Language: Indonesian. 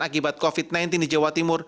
akibat covid sembilan belas di jawa timur